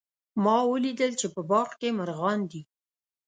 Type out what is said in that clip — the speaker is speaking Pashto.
ما ولیدل چې په باغ کې مرغان دي